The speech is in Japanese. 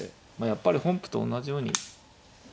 やっぱり本譜と同じように。